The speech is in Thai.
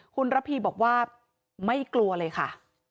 คุณระพีบอกว่าไม่กลัวเลยค่ะ